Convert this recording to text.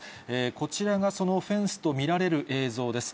こちらがそのフェンスと見られる映像です。